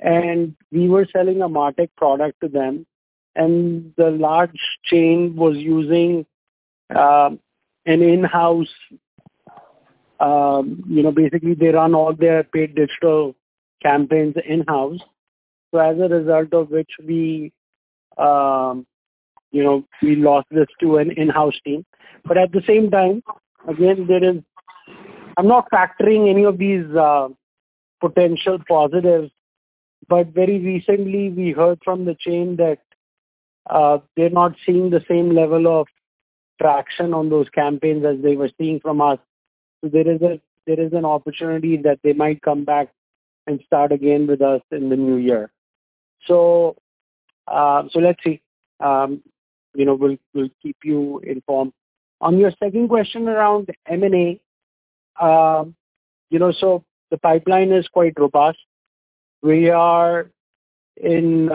And we were selling a MarTech product to them. And the large chain was using an in-house, basically, they run all their paid digital campaigns in-house. So as a result of which, we lost this to an in-house team. But at the same time, again, I'm not factoring any of these potential positives, but very recently, we heard from the chain that they're not seeing the same level of traction on those campaigns as they were seeing from us. So there is an opportunity that they might come back and start again with us in the new year. So let's see. We'll keep you informed. On your second question around M&A, so the pipeline is quite robust. We are in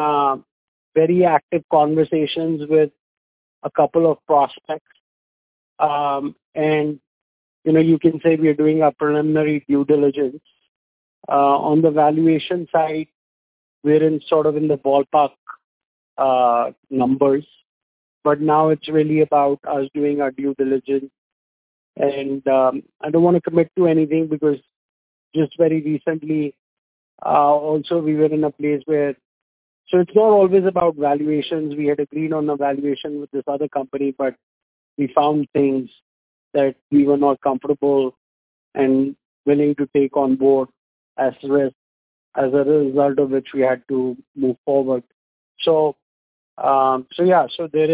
very active conversations with a couple of prospects. And you can say we are doing our preliminary due diligence. On the valuation side, we're in sort of in the ballpark numbers. But now it's really about us doing our due diligence. And I don't want to commit to anything because just very recently, also, we were in a place where, so it's not always about valuations. We had agreed on a valuation with this other company, but we found things that we were not comfortable and willing to take on board as a result of which we had to move forward. So yeah, so there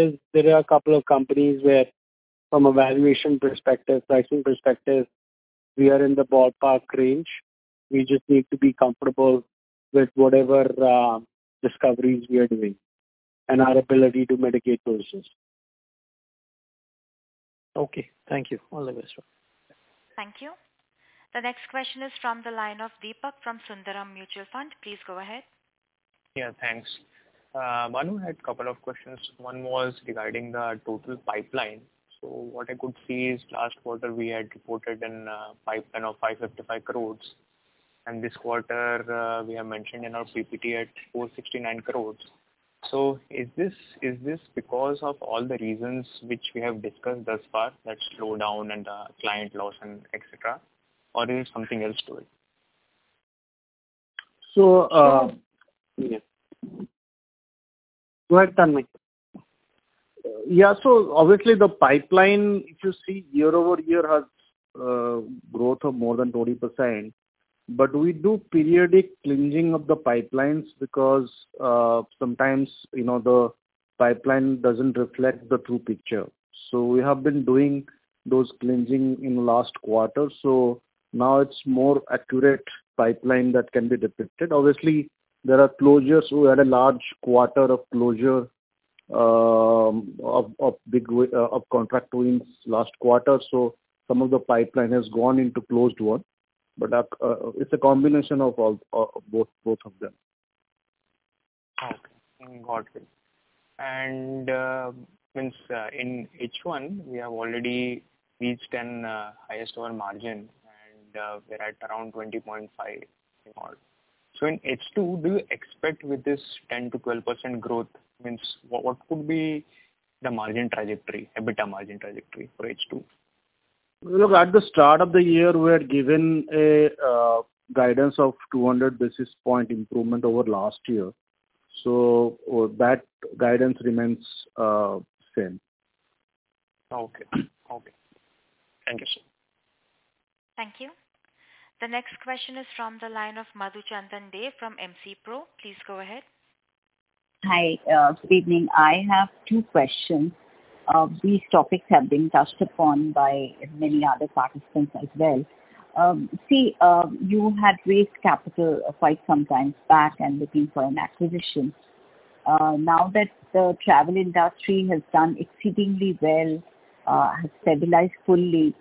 are a couple of companies where, from a valuation perspective, pricing perspective, we are in the ballpark range. We just need to be comfortable with whatever discoveries we are doing and our ability to mitigate those risks. Okay. Thank you. All the best. Thank you. The next question is from the line of Deepak from Sundaram Mutual Fund. Please go ahead. Yeah. Thanks. Bhanu had a couple of questions. One was regarding the total pipeline. So what I could see is last quarter, we had reported a pipeline of 555 crores. And this quarter, we have mentioned in our PPT at 469 crores. So is this because of all the reasons which we have discussed thus far that slowdown and client loss and et cetera, or is there something else to it? So... Go ahead, Tanmaya. Yeah. So obviously, the pipeline, if you see, year over year has growth of more than 20%. But we do periodic cleansing of the pipelines because sometimes the pipeline doesn't reflect the true picture. So we have been doing those cleansing in the last quarter. So now it's more accurate pipeline that can be depicted. Obviously, there are closures. We had a large quarter of closures of contract wins last quarter. So some of the pipeline has gone into Closed Won. But it's a combination of both of them. Okay. Got it. In H1, we have already reached 10% EBITDA margin, and we're at around 20.5% overall. So in H2, do you expect with this 10%-12% growth, what would be the margin trajectory, EBITDA margin trajectory for H2? Look, at the start of the year, we were given a guidance of 200 basis points improvement over last year. So that guidance remains the same. Okay. Okay. Thank you, sir. Thank you. The next question is from the line of Madhuchanda Dey from MC Pro. Please go ahead. Hi. Good evening. I have two questions. These topics have been touched upon by many other participants as well. See, you had raised capital quite some time back and looking for an acquisition. Now that the travel industry has done exceedingly well, has stabilized fully,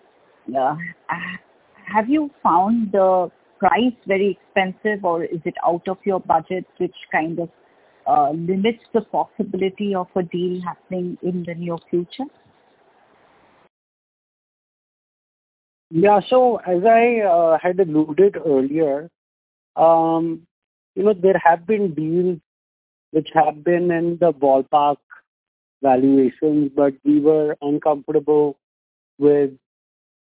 have you found the price very expensive, or is it out of your budget, which kind of limits the possibility of a deal happening in the near future? Yeah. So as I had alluded earlier, there have been deals which have been in the ballpark valuations, but we were uncomfortable with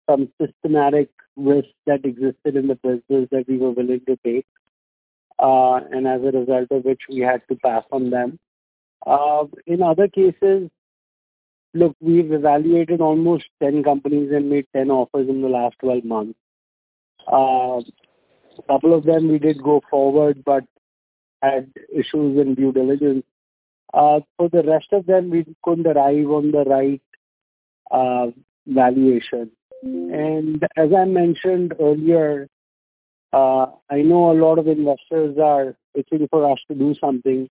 some systematic risks that existed in the business that we were willing to take. And as a result of which, we had to pass on them. In other cases, look, we've evaluated almost 10 companies and made 10 offers in the last 12 months. A couple of them we did go forward, but had issues in due diligence. For the rest of them, we couldn't arrive on the right valuation. As I mentioned earlier, I know a lot of investors are itching for us to do something,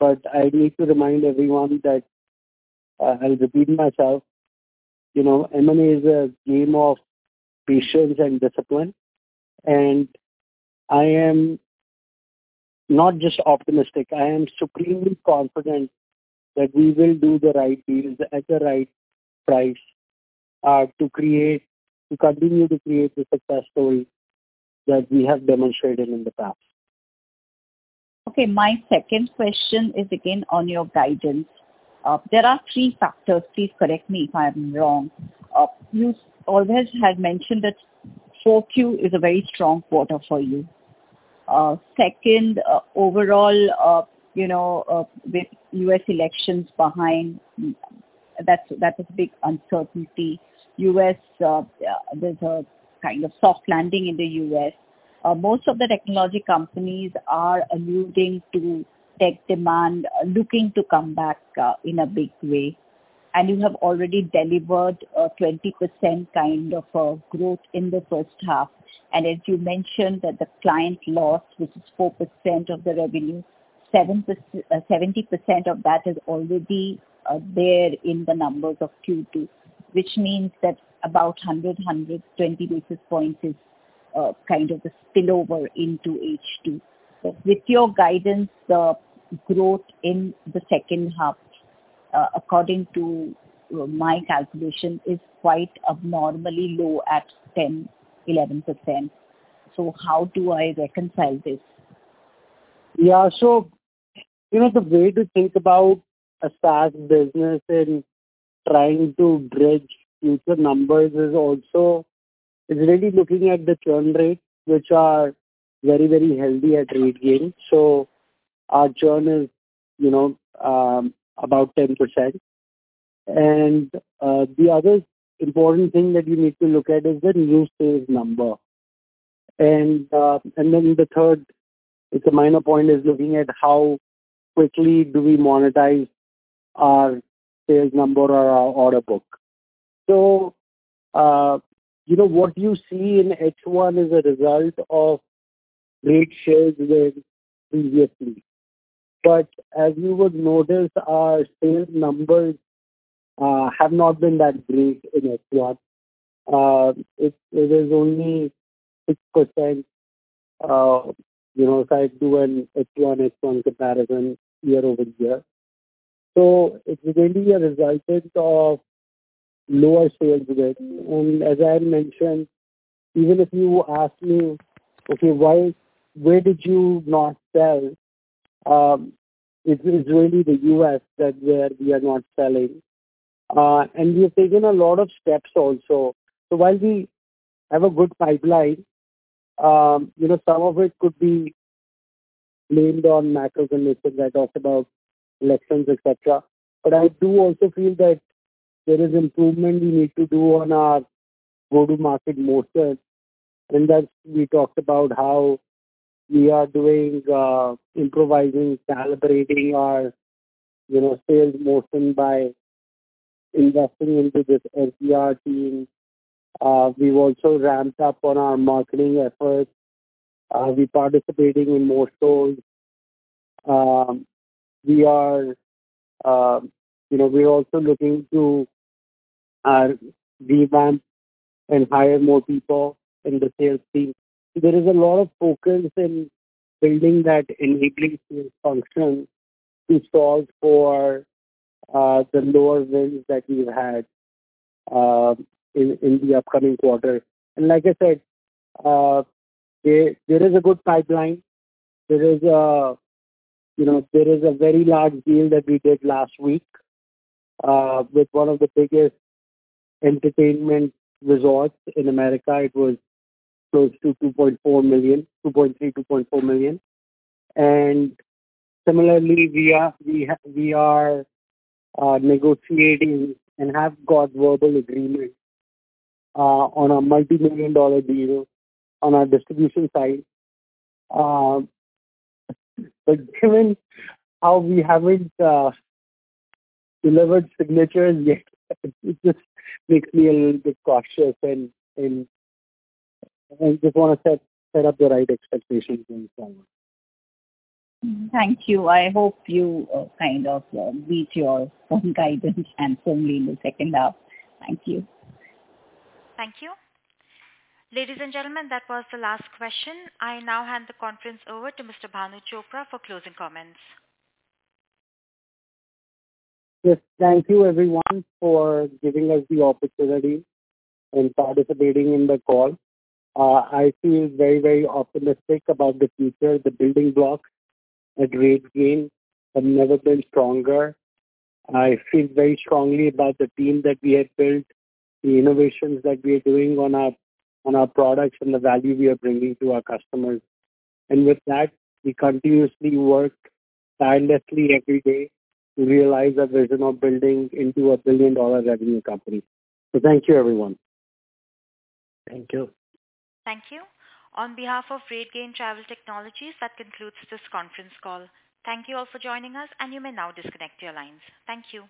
but I need to remind everyone that I'll repeat myself. M&A is a game of patience and discipline. I am not just optimistic. I am supremely confident that we will do the right deals at the right price to continue to create the success stories that we have demonstrated in the past. Okay. My second question is again on your guidance. There are three factors. Please correct me if I'm wrong. You always had mentioned that 4Q is a very strong quarter for you. Second, overall, with U.S. elections behind, that was a big uncertainty. There's a kind of soft landing in the U.S. Most of the technology companies are alluding to tech demand, looking to come back in a big way. And you have already delivered a 20% kind of growth in the first half. And as you mentioned, the client loss, which is 4% of the revenue, 70% of that is already there in the numbers of Q2, which means that about 100-120 basis points is kind of a spillover into H2. With your guidance, the growth in the second half, according to my calculation, is quite abnormally low at 10%-11%. So how do I reconcile this? Yeah. So the way to think about a SaaS business and trying to bridge future numbers is also really looking at the churn rates, which are very, very healthy at RateGain. So our churn is about 10%. And the other important thing that you need to look at is the new sales number. And then the third, it's a minor point, is looking at how quickly do we monetize our sales number or our order book. So what you see in H1 is a result of great shares with previously. But as you would notice, our sales numbers have not been that great in H1. It is only 6% if I do an H1, H2 comparison year-over-year. So it's really a result of lower sales rates. And as I mentioned, even if you ask me, "Okay, where did you not sell?" It's really the U.S. that we are not selling. And we have taken a lot of steps also. So while we have a good pipeline, some of it could be blamed on macro conditions I talked about, elections, etc. But I do also feel that there is improvement we need to do on our go-to-market motion. We talked about how we are doing improvising, calibrating our sales motion by investing into this SDR team. We've also ramped up on our marketing efforts. We're participating in more shows. We are also looking to revamp and hire more people in the sales team. There is a lot of focus in building that enabling sales function to solve for the lower wins that we've had in the upcoming quarter. Like I said, there is a good pipeline. There is a very large deal that we did last week with one of the biggest entertainment resorts in America. It was close to $2.3-$2.4 million. Similarly, we are negotiating and have got verbal agreement on a multi-million dollar deal on our distribution side. But given how we haven't delivered signatures yet, it just makes me a little bit cautious and just want to set up the right expectations going forward. Thank you. I hope you kind of meet your own guidance and firmly in the second half. Thank you. Thank you. Ladies and gentlemen, that was the last question. I now hand the conference over to Mr. Bhanu Chopra for closing comments. Yes. Thank you, everyone, for giving us the opportunity and participating in the call. I feel very, very optimistic about the future. The building blocks at RateGain have never been stronger. I feel very strongly about the team that we have built, the innovations that we are doing on our products, and the value we are bringing to our customers. And with that, we continuously work tirelessly every day to realize our vision of building into a billion-dollar revenue company. So thank you, everyone. Thank you. Thank you. On behalf of RateGain Travel Technologies, that concludes this conference call. Thank you all for joining us, and you may now disconnect your lines. Thank you.